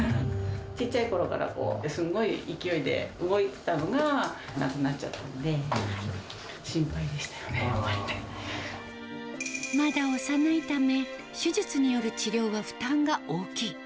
ちっちゃいころからこう、すごい勢いで動いてたのが、なくなっちゃったんで、心配でしまだ幼いため、手術による治療は負担が大きい。